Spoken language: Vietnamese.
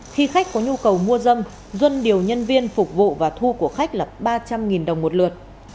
khi khách có nhu cầu mua dâm duân điều nhân viên phục vụ và thu của khách là ba trăm linh đồng một lượt